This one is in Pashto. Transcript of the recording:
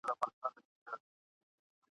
په ریاکاره ناانسانه ژبه ..